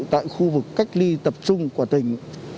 tại khu vực cách ly tập trung của tỉnh